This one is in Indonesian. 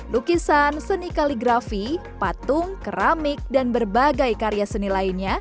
lukisan seni kaligrafi patung keramik dan berbagai karya seni lainnya